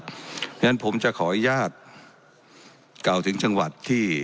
เพราะฉะนั้นผมจะขออนุญาตกล่าวถึงจังหวัดที่